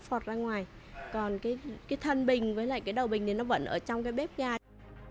phọt ra ngoài còn cái cái thân bình với lại cái đầu bình thì nó vẫn ở trong cái bếp garmini